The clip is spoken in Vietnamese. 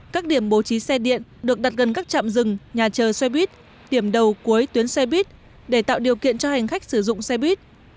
các điểm bố trí xe điện được đặt gần các trạm dừng nhà chờ xe buýt điểm đầu cuối tuyến xe buýt để tạo điều kiện cho hành khách sử dụng xe buýt